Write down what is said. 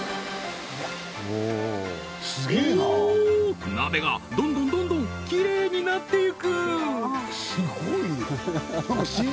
おーっ鍋がどんどんどんどんキレイになってゆく！